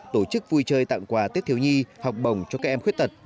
tổ chức vui chơi tặng quà tiết thiếu nhi học bồng cho các em khuyết tật